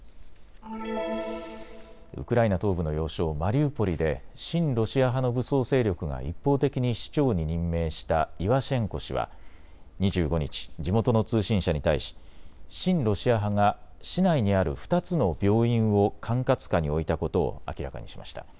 ウクライナ東部の要衝マリウポリで親ロシア派の武装勢力が一方的に市長に任命したイワシェンコ氏は２５日、地元の通信社に対し親ロシア派が市内にある２つの病院を管轄下に置いたことを明らかにしました。